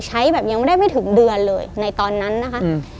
ใช้แบบยังไม่ได้ไม่ถึงเดือนเลยในตอนนั้นนะคะ